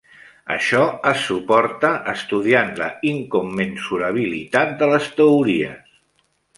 Això es suporta estudiant la incommensurabilitat de les teories.